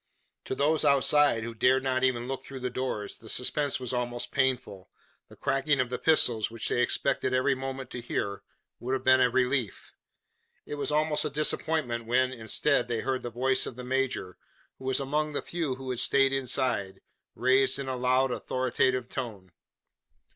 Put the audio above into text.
To those outside, who dared not even look through the doors, the suspense was almost painful. The cracking of the pistols, which they expected every moment to hear, would have been a relief. It was almost a disappointment when, instead, they heard the voice of the major who was among the few who had stayed inside raised in a loud authoritative tone.